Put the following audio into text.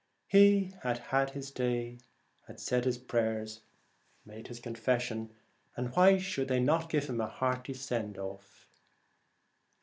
He had had his day, had said his prayers and made his confession, and why should they not give him a hearty 88 send off?